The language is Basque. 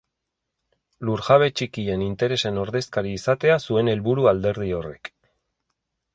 Lur-jabe txikien interesen ordezkari izatea zuen helburu alderdi horrek.